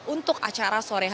untuk acara sore